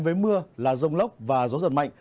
với mưa là rông lốc và gió giật mạnh